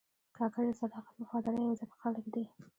کاکړ د صداقت، وفادارۍ او عزت خلک دي.